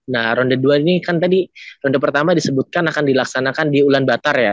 nah ronde dua ini kan tadi ronde pertama disebutkan akan dilaksanakan di ulan batar ya